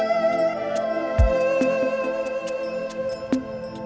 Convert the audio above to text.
dan kita harus mencari